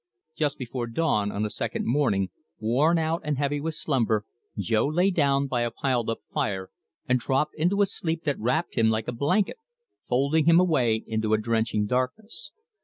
Just before dawn on the second morning, worn out and heavy with slumber, Jo lay down by the piled up fire and dropped into a sleep that wrapped him like a blanket, folding him away into a drenching darkness.